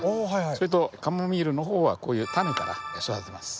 それとカモミールの方はこういうタネから育てます。